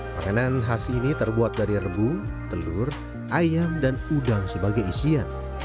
makanan khas ini terbuat dari rebung telur ayam dan udang sebagai isian